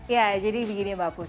ya jadi begini mbak pus